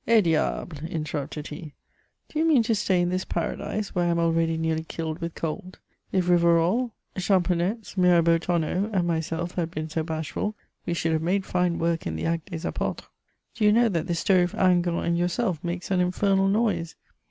dtableP* interrupted he, '^ do you mean to stay in this paradise, where I am already nearly killed with cold ? If lUvarol, Champ oenetz, Miraoeau Tonneau, and myself had been so bashful, we should have made fine work in the Actes des Apotres I Do you know that this story of Hingant and yourself makes an infernal noise